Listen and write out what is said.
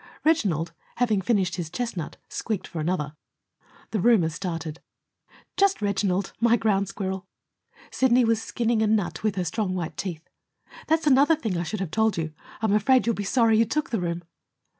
Reginald, having finished his chestnut, squeaked for another. The roomer started. "Just Reginald my ground squirrel." Sidney was skinning a nut with her strong white teeth. "That's another thing I should have told you. I'm afraid you'll be sorry you took the room."